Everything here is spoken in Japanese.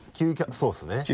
そうですね。